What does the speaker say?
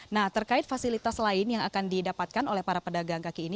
nah terkait fasilitas lain yang akan didapatkan oleh para pedagang kaki ini